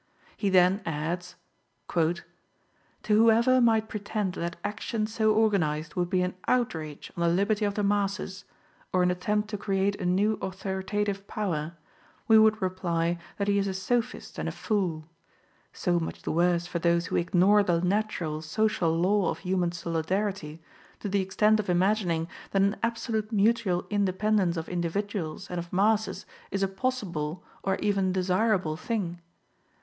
He then adds: "To whoever might pretend that action so organized would be an outrage on the liberty of the masses, or an attempt to create a new authoritative power, we would reply that he is a sophist and a fool. So much the worse for those who ignore the natural, social law of human solidarity, to the extent of imagining that an absolute mutual independence of individuals and of masses is a possible or even desirable thing.